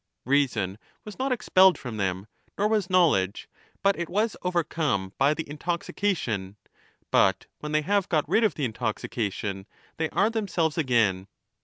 Reason was not expelled from them, nor was knowledge, but it was overcome by the intoxica tion, but when they have got rid of the intoxication, they are themselves again.